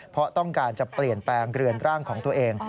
เพราะต้องการจะเปลี่ยนแปลงเรือนร่างของตัวเอง